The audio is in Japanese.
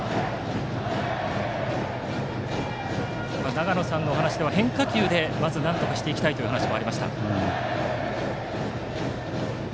長野さんのお話では変化球でまずなんとかしていきたいというお話もありました。